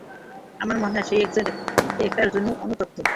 আমার মনে হয়, সে এখন এটার জন্য অনুতপ্ত।